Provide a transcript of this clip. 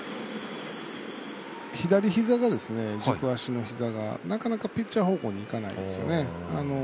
左膝が、軸足の膝がなかなかピッチャー方向にいかないんですよね。